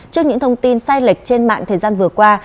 trước những thông tin sai lệch trên mạng thời gian vừa qua